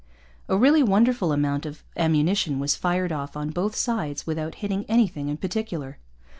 A really wonderful amount of ammunition was fired off on both sides without hitting anything in particular.